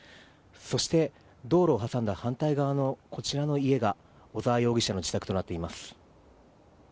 そして道路を挟んだ反対側のこちらの家が小沢容疑者の自宅となっています。